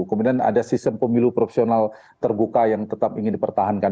kemudian ada sistem pemilu proporsional terbuka yang tetap ingin dipertahankan